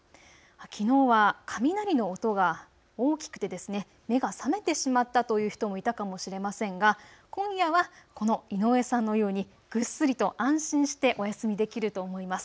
きのうは雷の音が大きくて目が覚めてしまったという人もいたかもしれませんが今夜はこの井上さんのようにぐっすりと安心してお休みできると思います。